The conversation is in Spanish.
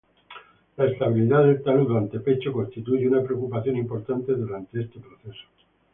La estabilidad del talud o antepecho constituye una preocupación importante durante este proceso.